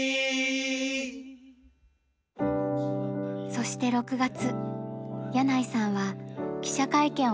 そして６月箭内さんは記者会見を開きました。